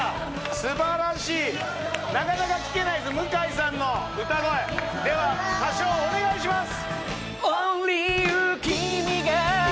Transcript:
素晴らしいなかなか聴けないですよ向井さんの歌声では歌唱お願いします！